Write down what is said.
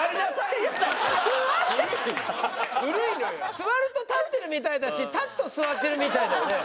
座ると立ってるみたいだし立つと座ってるみたいだよね。